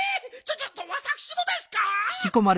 ちょっとわたくしもですか！？